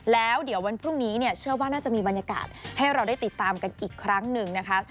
แล้วเดี๋ยววันพรุ่งนี้เนี่ยเชื่อว่าน่าจะมีบรรยากาศให้เราได้ติดตามกันอีกครั้งหนึ่งนะคะ